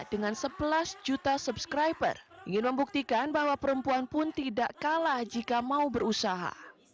dengan sebelas juta subscriber ingin membuktikan bahwa perempuan pun tidak kalah jika mau berusaha